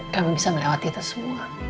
kami bisa melewati itu semua